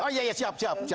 oh iya ya siap siap